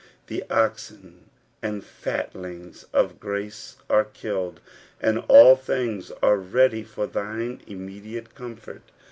The oxen and the fatlings of grace are killed, and all things are ready for thine immediate comfort.